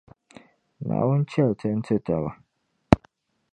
Naawuni chɛli ti n-ti taba.